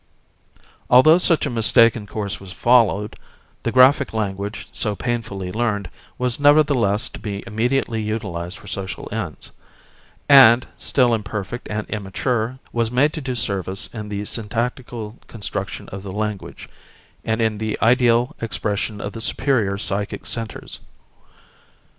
Although such a mistaken course was followed, the graphic language, so painfully learned, was nevertheless to be immediately utilised for social ends; and, still imperfect and immature, was made to do service in the syntactical construction of the language, and in the ideal expression of the superior psychic centres.